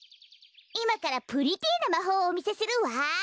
いまからプリティーなまほうをおみせするわ。